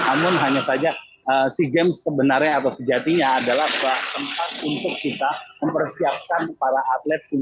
namun hanya saja sea games sebenarnya atau sejatinya adalah tempat untuk kita mempersiapkan para atlet